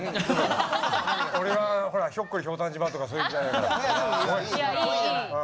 俺はほら「ひょっこりひょうたん島」とかそういう時代だから。